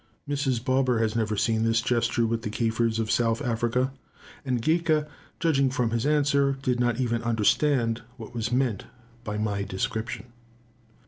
Mrs. Barber has never seen this gesture with the Kafirs of South Africa; and Gaika, judging from his answer, did not even understand what was meant by my description.